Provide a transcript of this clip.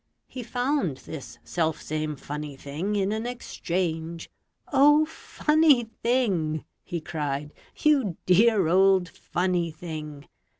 He found this selfsame funny thing In an exchange "O, funny thing!" He cried, "You dear old funny thing!"